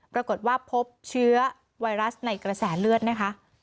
ปรากฏว่าพบเชื้อไวรัสในกระแสเลือดนะคะ